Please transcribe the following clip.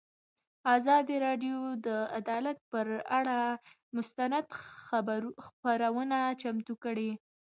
ازادي راډیو د عدالت پر اړه مستند خپرونه چمتو کړې.